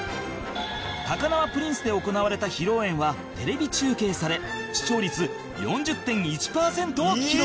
高輪プリンスで行われた披露宴はテレビ中継され視聴率 ４０．１ パーセントを記録